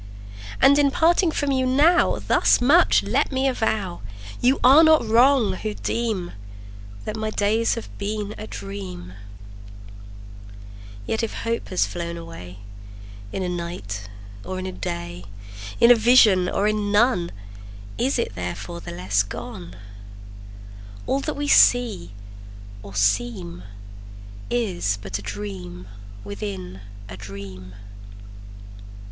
And, in parting from you now, Thus much let me avow You are not wrong, who deem That my days have been a dream: Yet if hope has flown away In a night, or in a day, In a vision or in none, Is it therefore the less gone? All that we see or seem Is but a dream within a dream.